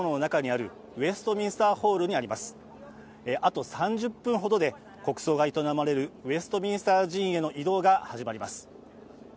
あと３０分ほどで国葬が営まれるウェストミンスター寺院への移動が始まります。